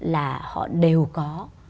là họ đều có